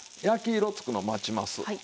焼き色つくのを待ちます。